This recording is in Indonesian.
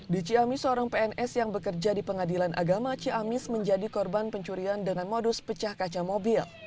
di ciamis seorang pns yang bekerja di pengadilan agama ciamis menjadi korban pencurian dengan modus pecah kaca mobil